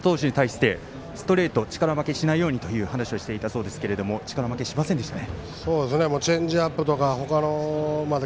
相手の安田投手に対してストレート力負けしないようにと話していたそうですが力負けしませんでしたね。